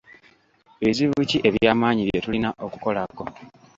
Bizibu ki eby'amaanyi bye tulina okukolako?